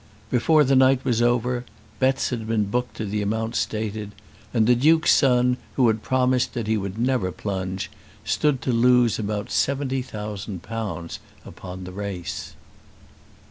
Before the night was over bets had been booked to the amount stated, and the Duke's son, who had promised that he would never plunge, stood to lose about seventy thousand pounds upon the race.